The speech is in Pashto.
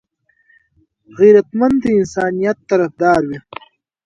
غیرتمند د انسانيت طرفدار وي